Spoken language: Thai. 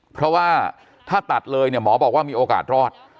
เพราะว่าถ้าตัดเลยเนี่ยหมอบอกว่ามีโอกาสรอด